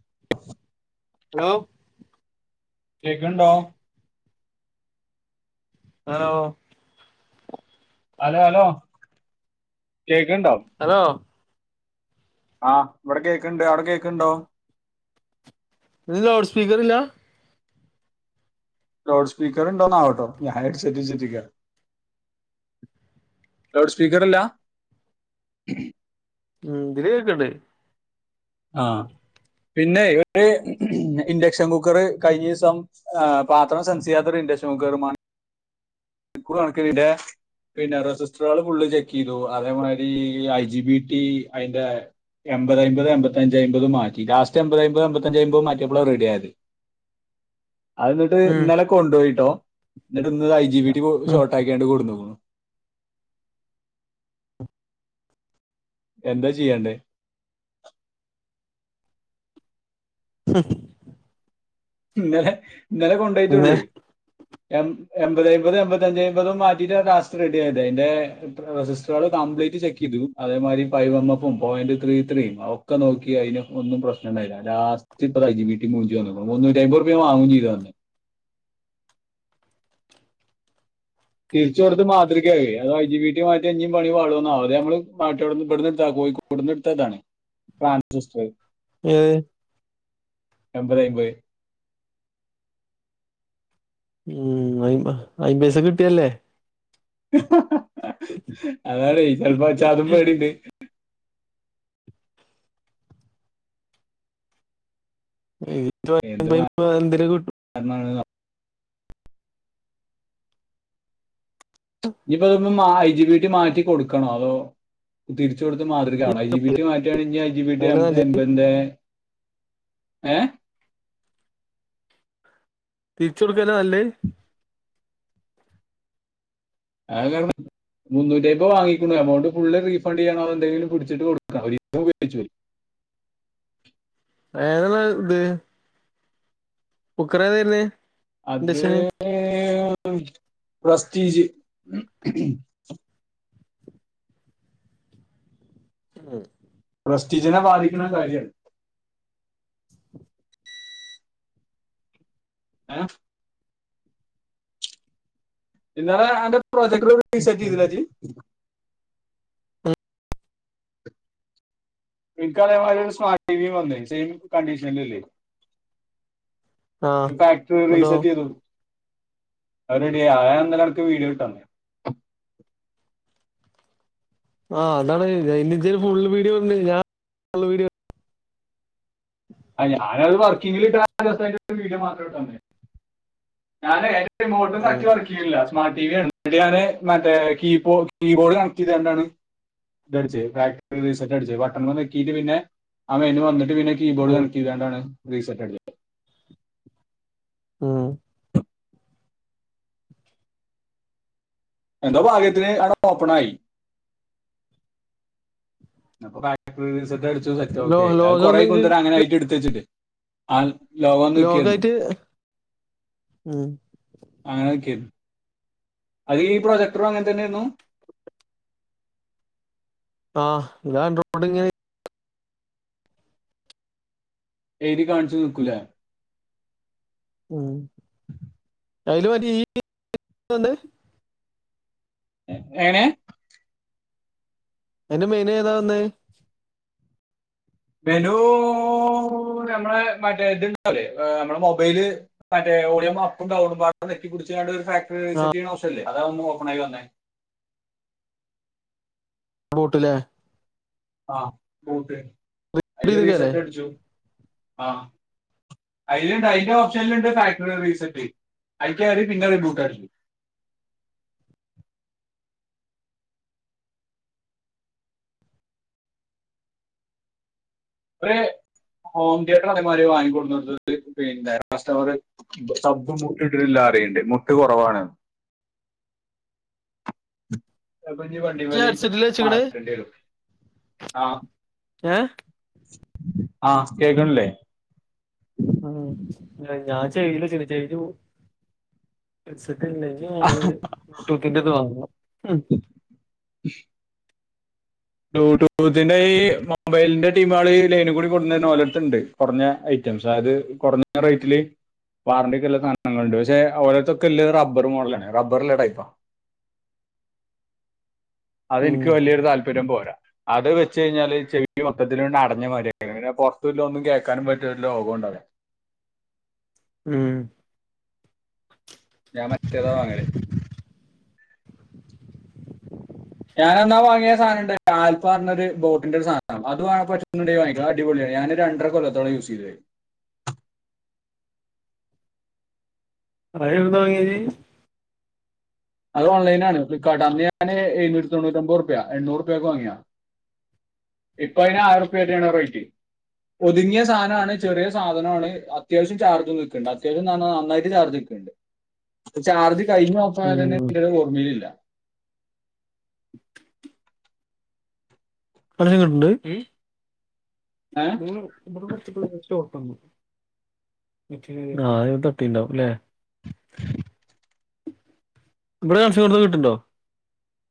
[inaudible] Hello കേക്ക്ണ്ടോ hello hello hello കേക്ക്ണ്ടോ hello ആഹ് ഇവിടെ കേക്ക്ണ്ട് അവിടെ കേക്ക്ണ്ടോ ഇതിന് ലൗഡ് സ്പീക്കർ ഇല്ല ലൗഡ് സ്പീക്കറ്ണ്ടോന്നാവോട്ടോ ഞൻ ഹെഡ് സെറ്റ് വെച്ചിക്ക ലൗഡ് സ്പീക്കർ ഇല്ലാ ഉം ഇതില് കേക്ക്ണ്ട് ആഹ് പിന്നെ ഒര് ഇൻഡക്ഷൻ കുക്കർ കഴിഞ്ഞ ദിവസം പാത്രം സെൻസ് ചെയ്യാത്തറത് ഇൻഡക്ഷൻ കുക്കർ [unintelligible] [unintelligible] പിന്നെ റെസിസ്റ്ററോള് ഫുള്ള് ചെക്ക് ചെയ്തു അതേമാരി ഐ ജി ബി ടി അതിന്റെ എൺപത് അയ്മ്പത് എൺപത്തഞ്ചയ്മ്പത് മാറ്റി ലാസ്റ്റ് എൺപത് അയ്മ്പത് എൺപത്തഞ്ചയ്മ്പതും മാറ്റിയപ്പള റെഡി ആയത് അത് എന്നിട്ട് ഉം ഇന്നലെ കൊണ്ടോയിട്ടോ എന്നിട്ട് ഇന്ന് ഐ ജി ബി ടി ഉം ഷോട്ടാക്കിയാണ്ട് കൊണ്ടന്ന്ക്ക്ണു എന്താ ചെയ്യണ്ടേ ഹ് ഹും ഇന്നലെ ഇന്നലെ ഇന്നേ കൊണ്ടോയിട്ടുള്ളേ എ എൺപതയ്മ്പതും എൺപത്ത ഞ്ചയ്മ്പതും മാറ്റിയിട്ട ലാസ്റ്റ് റെഡി ആയത് അതിന്റെ റെസിസ്റ്റരാൾ കാ- - കംപ്ലീറ്റ് ചെക്ക് ചെയ്തു അതേമാതിരി ഫൈവ് എം എഫും പോയന്റ് ത്രീ ത്രീയും ഒക്കെ നോക്കി അതിനൊന്നും പ്രശ്നം ഉണ്ടായീന്നില്ല ലാസ്റ്റ് ഇപ്പതാ ഐ ജി ബി ടി മൂഞ്ചി വന്ന്ക്ക്ണു. മുന്നൂറ്റി അയ്മ്പത് ഉർപ്യ വാങ്ങും ചെയ്ത് പറഞ്ഞു തിരിച്ചു കൊടുത്ത് മാതൃകയായി. അത് ഐ ജി ബി ടി മാറ്റിയ ഞ്ഞും പണി പാളോന്നാവു ഇത് നമ്മള് മറ്റേ ബട്ന്ന് ഇട്താ കു - കോഴിക്കോട്ന്ന് ഇട്ത്തതാണ് ട്രാൻസിസ്റ്റർ ഏത് എൺപതയ്മ്പത് ഉം അയിമ്പ അയിമ്പയിസ കിട്ടിയല്ലേ അതാണ് ചിലപ്പോ എച്ച് ആർ ഉം പേടിയുണ്ട് എന്ത് [unintelligible] എന്തേലും കിട്ടും മാറുന്നാണ് ഇനീപ്പോ ഇതിപ്പോ ജി ബീറ്റി മാറ്റി കൊടുക്കണോ അതോ തിരിച്ച് കൊടുത്ത് മാതൃക ആവണം ഐജീ ബീറ്റി മാറ്റുകയാണെങ്കി ഐ ജീ ബീറ്റി അതല്ലേ നല്ലത് എന്റെ ഏഹ് തിരിച്ച് കൊടുക്കുന്നെയാ നല്ലേ അത് കാരണം വാങ്ങിക്കണം എമൗണ്ട് ഫുള്ള് [unintelligible] റീഫണ്ട് ചെയ്യണോന്നുണ്ടെങ്കിലും കുടിച്ചിട്ട് കൊടുക്കണം ഒര് പേടിച്ചു പോയി [unintelligible] ഏനല്ല ഇത് കുക്കറാ തരുന്നേ അത് ഇൻഡക്ഷന് പ്രസ്റ്റീജ് [unintelligible] ഉം പ്രെസ്റ്റീജിനെ ബാധിക്കണ കാര്യാ ഏഹ് ഇന്നലെ അയിന്റെ പ്രോജക്ട് റീസെറ്റ് ചെയ്തില്ലേ ഏച്ചി പികാലേമാതിരി ഒരു സ്മാർട്ട് ടിവിയും വന്നേ സെയിം കണ്ടീഷനനില്ലേ ആഹ് ഫാക്ടറി എന്നിട്ടോ റീസെറ്റ് ചെയ്തു അവടെ ആഹ് എന്തലടക്ക് വീഡിയോ എടുക്ക് ആണ് ആഹ് അതാണ് [unintelligible] ഫുള്ള് വീഡിയോ ഞാൻ ഉള്ള വീഡിയോ ആ ഞാനത് വർക്കിങ്ങിലിട്ട വീഡിയോ മാത്രം എടുക്കാം ഞാനേ [unintelligible] ആഹ് മോട്ടറി വർക്ക്‌ ചെയ്യണില്ല സ്മാർട്ട് ടി വി ഞാന് മറ്റേ കീബോ കീബോർഡ് കണക്ട് ചെയ്തോണ്ടാണ് ഇതടിച്ചേ ബാക്ക് റീസെറ്റ് അടിച്ച് ബട്ടണേ ഞെക്കിയിട്ട് പിന്നെ ആ മെനു വന്നി പിന്നെ ഈ ബോർഡ് ഉം കണക്റ്റ് ചെയ്തോണ്ടാണ് റീസെറ്റ് അടിച്ചത് ഉം എന്തോ ഭാഗ്യത്തിന് അവിടെ ഓപ്പണായി അപ്പൊ [unintelligible] ലോ ഒക്കെ ആയി അത് ലോകം കുറെ ഒന്നെങ്കി കൊണ്ടരാ അങ്ങനെ ആയിട്ട് എടുത്ത വച്ചിട്ട് ആ ലോകം ലോക് നിൽക്കായിരുന്നു ആയിട്ട് ഉം അങ്ങനെ നിൽക്കായിരുന്നു അത് ഈ പ്രൊജക്ടറും അങ്ങനെ തന്നെ ആയിരുന്നു ആ ഞാൻ റോഡ് ഇങ്ങനെ എഴുതി കാണിച്ചു നിൽക്കൂലേ ഉം അയില് മറ്റേ ഈ ഇതുണ്ട് എങ്ങനെയാ എന്റെ മെയിൻ ഏതാ വന്നേ മെനു നമ്മള് മറ്റേ ഇതുണ്ടാവില്ലേ നമ്മടെ മൊബൈല് മറ്റേ ഓഡിയോ ഞെക്കി കുടിച്ചാണ്ട് [unintelligible] ഫാക്ടറി ആ റീസെറ്റ് ചെയ്യണ ഓപ്ഷൻ ഇല്ലേ അതാവും ഓപ്പൺ ആയി വന്നേ ബൂട്ടിലേ ആ ബൂട്ട് അതില് ചെയ്തല്ലേ റീസെറ്റ് അടിച്ചു ആ അതിലുണ്ട് അതിന്റെ ഓപ്ഷനിലുണ്ട് ഫാക്ടറി റീസെറ്റ് അതിൽ കേറി പിന്നെ റീബൂട്ട് അടിക്കും ഒരേ ഹോം തിയേറ്റർ അതേമാതിരി വാങ്ങിക്കൊണ്ട് വന്നിട്ട് പിന്നെ കസ്റ്റമറ് സബും ബൂട്ടും ഇട്ടിട്ടില്ല പറയുണ്ട് മുട്ട് കുറവാണ് അപ്പം ഇനി വണ്ടി വലി ഹെഡ്സെറ്റില് വെച്ചിക്കണ് മാറ്റേണ്ടി വരും ആ ഏ ആ കേൾക്ക്‌ണ്ല്ലേ? ഉം ഞാൻ ചെയിൻ [unintelligible] ല്ല നല്ലത് ബ്ലൂടൂത്തിന്റെ ഇത് വാങ്ങ ബ്ലൂട്ടൂത്തിന്റെ ഈ മൊബൈൽന്റെ ടീമാള് ഈ ലൈന്ക്കൂടി കൊട്ന്നെർന്നോലട്ത്ത്ണ്ട് കുറഞ്ഞ ഐറ്റംസ് അതായത് കുറഞ്ഞ റേറ്റില് വാറണ്ടിക്ക്ല്ല സാധനങ്ങളുണ്ട് പക്ഷെ ഓലട്ത്തൊക്കെല്ലെ റബ്ബർ മോഡലാണ് റബ്ബർല്ല ടൈപ്പാ ഉം. അതെനിക്ക് വല്ല്യോരു താല്പര്യം പോര അത് വെച്ച് കഴിഞ്ഞാല് ചെവി മൊത്തത്തില് ഒരു അടഞ്ഞ മാരി അങ്ങനെ പുറത്തൂല്ല ഒന്നും കേക്കാനും പറ്റൂല്ല ഒരു ലോകോംണ്ടാ വൂല ഉം ഞാൻ മറ്റേതാ വാങ്ങല് ഞാൻ എന്നാ വാങ്ങിയ രു സാനണ്ടായ്നു ആൽഫാർഞ്ഞൊര് ബോട്ടിന്റെ ഒരു സാനം അത് വാങ്ങാൻ പറ്റുംന്നുണ്ടെങ്കി വാങ്ങിക്കള അതടിപൊളിയാണ് ഞാന് രണ്ടര കൊല്ലത്തോള സെയ്ത്ക്ക്‌ണ് അപ്പൊഅതെവ്ട്ന്നാ വാങ്യേത്ജ്ജ്? അത് ഓൺലൈനാണ് ഫ്ലിപ്കാർട്ട് അന്ന് ഞാന് എഴുന്നൂറ്റിതൊണ്ണൂറ്റൊമ്പുർപ്യ എണ്ണൂറ്പ്യക്ക് വാങ്ങിയാ ഇപ്പയ്ന് ആയിരുപ്പേറ്റേണ് റേറ്റ് ഒതുങ്ങിയ സാധനാണ് ചെറിയ സാധനാണ് അത്യാവശ്യം ചാർജും നിക്ക്‌ണ്ട്‌ അത്യാവശ്യംന്നർഞ്ഞാ നന്നായിട്ട് ചാർജ് നിക്കും ണ്ട് ചാർജ് കഴിഞ്ഞോഫായതെന്നേ കൊട്ന്നീലില്ല [unintelligible] ഏഹ് മൂന്ന് ഇവ്ടെ കൊർചഴ്ഞ്ഞപ്പോ സ്റ്റോക്ക് വന്നു എനിക്ക് കാലേല് തട്ടിണ്ടാവുല്ലേ. ഇബ്ബടെ [unintelligible] കിട്ട്ണ്ടോ [unintelligible]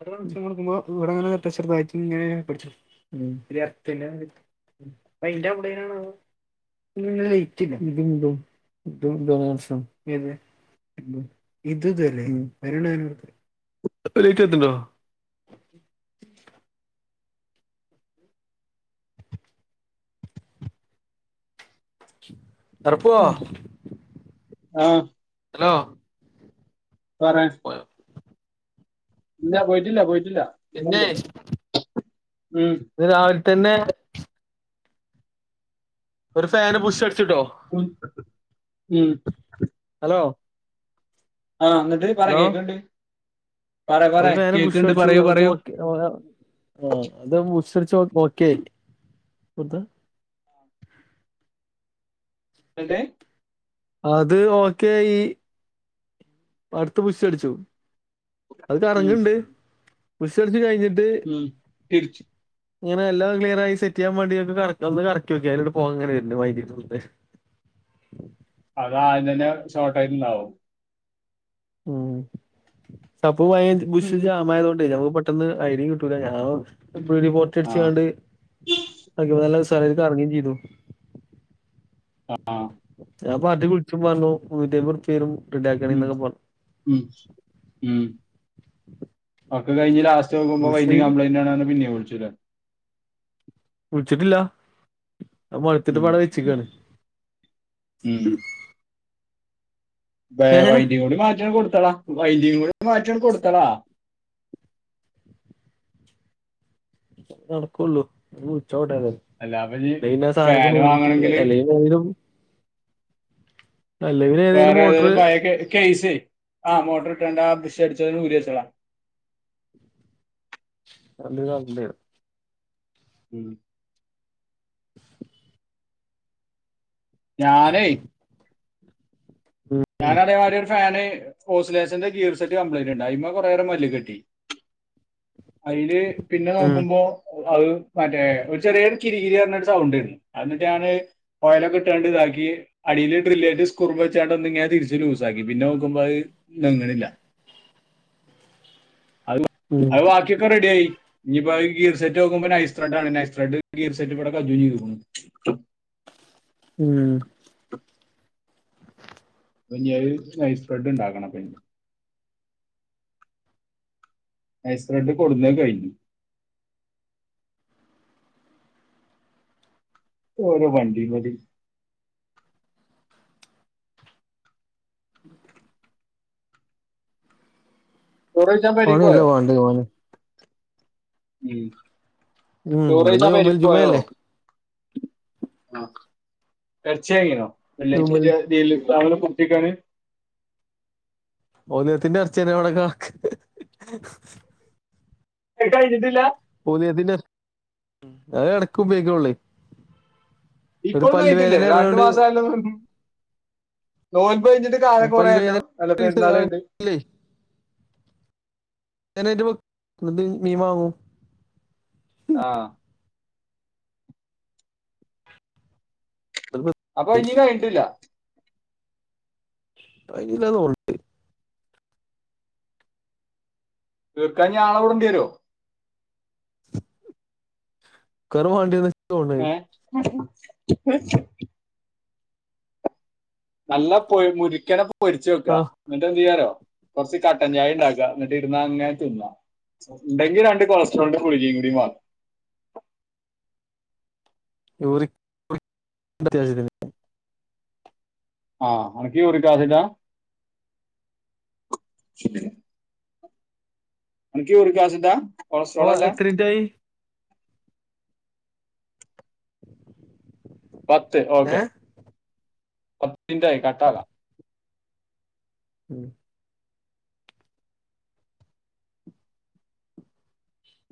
ഇവടെ ഇങ്ങനെ ട്രഷറ് ബേറ്റരി ഇങ്ങനെ പിടിച്ച് [unintelligible] ഉം ഇപ്പയ്ന്റൗടെേനാണോവൊ [unintelligible] വൈറ്റില്ല ഇതും തും [unintelligible] [unintelligible] [unintelligible] ഏത് ഇത് തോ അല്ലെ വരണ [unintelligible] ലൈയ്റ്റത്ത്ണ്ടോ? അറപ്പോ ആഹ് ഹലോ പറെ ഇല്ല പോയിട്ടില്ല പോയി പിന്നെയ് ഉം ഇന്ന് രാവിൽ തന്നെ ഒരു ഫാന് ബുഷടിച്ച് [unintelligible] ഉം ഉം ഓഹ് ആഹ് ഇന്നെട്ട് പറ കേക്ക്‌ ണ്ട് ഒരു ഫേന് ബുഷട്ച്ചു അത് നോക്കി ഓ [unintelligible] പുഷടിച്ചു ഓക്കെ ഏയി അതെ അത് ഓക്കെ ഈ അടുത്ത് ബുഷടിച്ചു അത് ഉം കറങ്ങ്ണ്ട് പുഷടിച്ച് കഴിഞ്ഞി ഉം തിര്ച്ച് ഇങ്ങനെ എല്ലാം ക്ലിയർ ആയി സെറ്റെ യ്യാൻ മാണ്ടി എക്കെ കറക് ഒന്ന് കറക്കി നോക്കി അയ്ല്ണ്ട്‌ പോഹങ്ങനെ വർന് വ [unintelligible] അതാദ്യം തന്നെ ഷോർട്ടായിട്ട് ഇണ്ടാവും ഉം സ്ഥപ്പ് പയേ ബുഷ് ജാമായതോണ്ടേ [unintelligible] പെട്ടെന്ന് ഐഡിം കിട്ടൂല ഞാൻ ആ [unintelligible] സാറായിട്ട് കറങ്ങീ ചെയ്തു അ ആ ഞാൻ പാർട്ടിക്ക് വിള്ച്ചും പറഞ്ഞു നൂറ്റയ്മ്പത്ർപ്യവെരും ഉം ഉം ഉം ഒക്കെ കയ്ഞ് ലാസ് ച്ചോക്കുമ്പോ ബുഷ് [unintelligible] കംപ്ലയ്ന്റാണ് പർഞ് പിന്നെ വിളിച്ചു രാ വിളിച്ച്ട്ട്ല്ല അത് ഉം മൊള്ത്തിട്ട്പ്പാടെ വെച്ച്ക്കാണ് വെ വൈദ്യം കൂടി മാട്ട്യണ്ട് കൊട്ത്താളാ വൈദ്യം കൂടെ മാറ്റിഅണ്ട് കൊടുത്തളാ അത് നട്കൊള്ളു ജ്ജ് എവിടെണ് അല്ല അപ്പൊ [unintelligible] അ സാനൊക്കെ ഫാന് ഊരീറ്റ് വാങ്ങണമെങ്കിൽ [unintelligible] ഏതെങ്കിലും വേറെ മോട്ടർ ഏതേലും പയെ കെ കെയ്സെ ആ മോട്ടർട്ടാണ്ട് ആ [unintelligible] അടിച്ചതിണ്ട് ഊരി വെച്ചളാ [unintelligible] ഉം ഞാനെ ഞാനതേമാരി ഒരു ഫാന് ഓസ്ലേഷന്റെ ഗീർ സെറ്റ് കംപ്ലൈന്റ് ണ്ട് അയ്മെ കൊറേനേരം മല്ല് കെട്ടി അയ്ല് പിന്നെ ഉം നോക്കുമ്പോ അത് മറ്റേ ഒരു ചെറിയ കിരികിരി സൗണ്ട് അത് ന്ന്ട്ട് ഞാന് ഓയൊലൊക്കെട്ടാണ്ട് താക്കി അടീല് ഡ്രില്ലേറ്റ് സ്‌ക്രൂ വെച്ചാണ്ട് ന്തെങ്കാൻ തിരിച്ച് ലൂസാക്കി പിന്നെ നോക്കുമ്പോ അത് നെങ്ങ്ണില്ല അത് വ ഉം അത് വാക്കിയൊക്കെ റെഡിയായി ഇനിയിപ്പോ ഗീർ സെറ്റ് നോക്കുമ്പോ നൈസ്ത്രണ്ടാണ് നൈസ് ത്രഡ് കീർസെറ്റ്വ്ടെ കഞ്ചും ചെയ്ത്ക്കുണു ഉം പ്പ ഞ്ഞ നൈസ് ബ്രെഡ്ണ്ടാക്കണപ്പഞ്ഞ് ഐസ് ബ്രഡ് കൊട്ന്നേ കഴിഞ്ഞു ഓരോ വണ്ടി വലി ചോറെയ്ച്ചാൻ ഓണിയല്ലേ മേള്ക്കോയോ വേണ്ടേ ഓന് ഉം പിന്നെ ചോറെയ്ച്ചൻ പെരി ജുമൽ പോയോ ജുമയല്ലേ ആ എറച്ചിയാങ്ങീണോ ജുമൽ വെള്ളിയാഴ്ചയ്ട്ടൊര്തീല് [unintelligible] ഓളിയത്തിന്റെ എർച്ചിയെന്നെ അവിടെ കട്ക്ക് എ കഴിഞ്ഞ്ട്ടില്ല ഒളിയത്തിന്റെ അത് ഇടക്ക ഉപയക്കള്ളേ ഇപ്പളും കയ്ഞ്ഞ്ട്ടില്ലേ രണ്ടു അറിയാണ്ട് മാസായല്ലോ നോൽ ഇപ്പ കഴിഞ്ഞിട്ട് കാലം കുറല്ലോ പല്ലുവേദന ആ, അല്ലപ്പെരുന്നാളു ഉണ്ട് ഞാനറ്റ വ മീൻ വാങ്ങൂ ആ അതിപ്പോ അപ്പൊ ഇനിം കഴിഞ്ഞിട്ടില്ല കൈഞ്ഞീല്ലന്ന് തോന്ന്ണ്ട് തീർക്കാഞ്ഞാളെ വിടേണ്ടിയരോ [unintelligible] ഏ നല്ല പൊ മുരിക്കന പൊരിച്ച് ആ വെക്ക്ആ ന്നിട്ടന്തയ്യാറിയൊ കൊറച്ച് കട്ടൻചായണ്ടാക്ക ന്നിട്ട് ഇരുന്നങ്ങനെ തിന്ന ണ്ടെങ്കി രണ്ട് കൊളസ്ട്രോളിന്റെ ഗുളികയും കൂടി വാ [unintelligible] ആ അൻക്ക് യൂറിക്കാസിടാ അൻക്ക് യൂറിക്കാസിടാ ഓ എത്രിറ്റായി പത്ത് ഓക്കെ ഏഹ് പത്തിന്റായി കട്ടാല ഉം